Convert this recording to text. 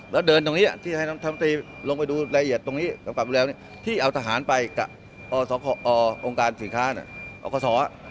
แล้วเดินตรงนี้ที่ให้น้องธรรมศรีลงไปดูละเอียดตรงนี้ที่เอาทหารไปกับองค์การสินค้าเนี่ยเอาข้อสอ